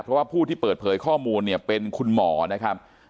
เพราะว่าผู้ที่เปิดเผยข้อมูลเนี่ยเป็นคุณหมอนะครับ